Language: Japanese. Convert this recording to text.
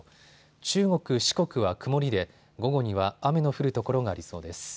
中国、四国は曇りで午後には雨の降る所がありそうです。